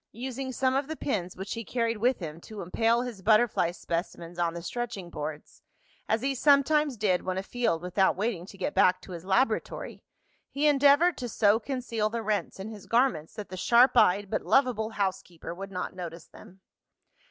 Using some of the pins which he carried with him to impale his butterfly specimens on the stretching boards, as he sometimes did when afield without waiting to get back to his laboratory, he endeavored to so conceal the rents in his garments that the sharp eyed, but lovable, housekeeper would not notice them.